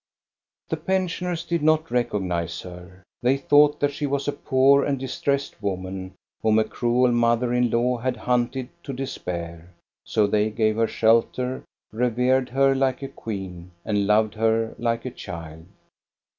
The pensioners did not recognize her. They thought that she was a poor and distressed woman whom a cruel mother in law had hunted to despair. So they gave her shelter, revered her like a queen, and loved her like a child.